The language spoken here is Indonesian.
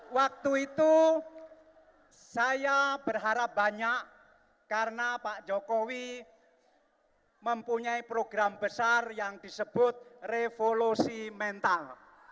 waktu itu saya berharap banyak karena pak jokowi mempunyai program besar yang disebut revolusi mental